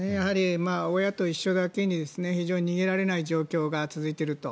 親と一緒だけに非常に逃げられない状況が続いていると。